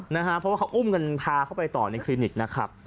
เพราะว่าเขาอุ้มกันพาเขาไปต่อในคลินิกนะครับ